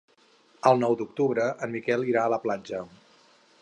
El nou d'octubre en Miquel irà a la platja.